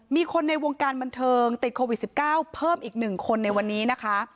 มีคนในวงการบรรเทิงติดโควิดสิบเก้าเพิ่มอีกหนึ่งคนในวันนี้นะคะ